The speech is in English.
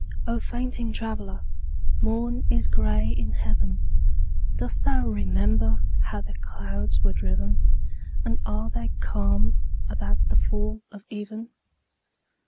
O fainting traveller, morn is gray in heaven. Dost thou remember how the clouds were driven? And are they calm about the fall of even?